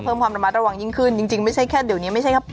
เพิ่มความระมัดระวังยิ่งขึ้นจริงจริงไม่ใช่แค่เดี๋ยวนี้ไม่ใช่แค่